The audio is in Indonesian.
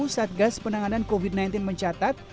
satgas penanganan covid sembilan belas mencatat